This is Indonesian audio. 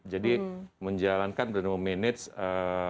jadi menjalankan dan memanage